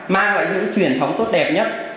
mang lại những truyền thống tốt đẹp nhất